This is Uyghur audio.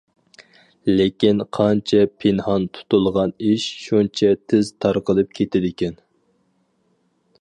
لېكىن قانچە پىنھان تۇتۇلغان ئىش شۇنچە تىز تارقىلىپ كېتىدىكەن.